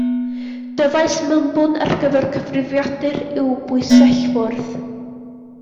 Dyfais mewnbwn ar gyfer y cyfrifiadur yw'r bysellfwrdd.